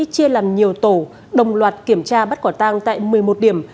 chia làm nhiều tổ đồng loạt kiểm tra bắt quả tang tại một mươi một điểm